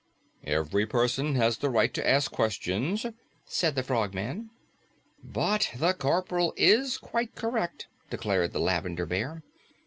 "Every person has the right to ask questions," said the Frogman. "But the Corporal is quite correct," declared the Lavender Bear.